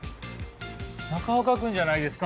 中岡君じゃないですか？